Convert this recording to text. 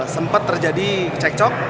sempat terjadi cekcok